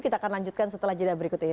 kita akan lanjutkan setelah jeda berikut ini